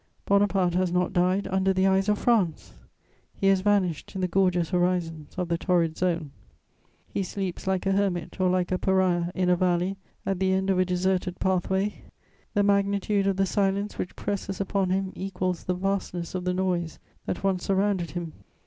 Bonaparte has not died under the eyes of France; he has vanished in the gorgeous horizons of the torrid zone. He sleeps like a hermit or like a pariah in a valley, at the end of a deserted pathway. The magnitude of the silence which presses upon him equals the vastness of the noise that once surrounded him.